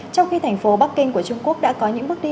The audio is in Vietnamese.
trong khi thành phố bắc kinh của trung quốc đã có những bước đi